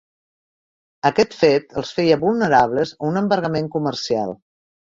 Aquest fet els feia vulnerables a un embargament comercial.